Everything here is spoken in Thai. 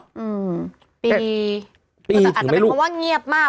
อันนี้แบบไม่เป็นว่าชิคกี้พายเรียบมาก